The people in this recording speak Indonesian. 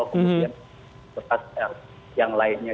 kemudian berkat yang lainnya